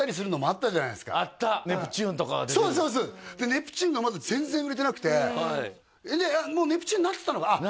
ネプチューンがまだ全然売れてなくてでもうネプチューンになってたのかあっ